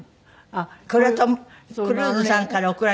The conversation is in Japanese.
これはトム・クルーズさんから贈られたお花。